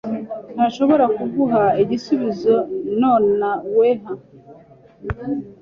ntashobora kuguha igisubizo nonaweha.